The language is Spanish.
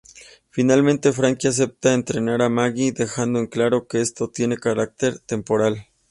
Finalmente, Frankie acepta entrenar a Maggie, dejando en claro que esto tiene carácter temporal.